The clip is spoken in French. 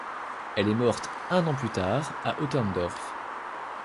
Elle est morte un an plus tard, à Otterndorf.